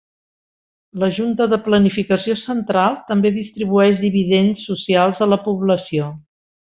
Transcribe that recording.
La junta de planificació central també distribueix dividends socials a la població.